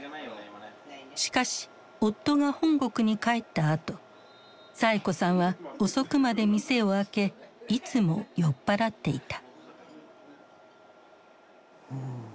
しかし夫が本国に帰ったあとサエ子さんは遅くまで店を開けいつも酔っ払っていた。